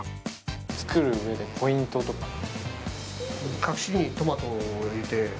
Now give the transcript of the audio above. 作るうえで、ポイントは？